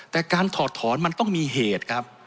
แต่การถอดถอนมันต้องมีเหตุครับ